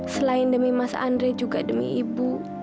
selain demi mas andre juga demi ibu